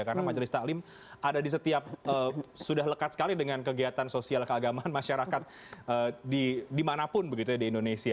karena majelis taklim ada di setiap sudah lekat sekali dengan kegiatan sosial keagamaan masyarakat di manapun begitu di indonesia